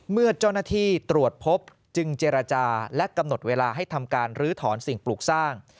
เมื่อเจ้าหน้าที่ตรวจพบจึงเจรจาและกำหนดเวลาให้ทำการลื้อถอนสิ่งปลูกสร้าง